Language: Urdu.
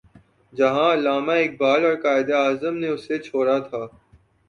جہاں علامہ اقبال اور قائد اعظم نے اسے چھوڑا تھا۔